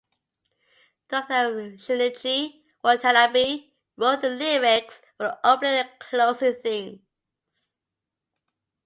Director Shinichi Watanabe wrote the lyrics for the opening and closing themes.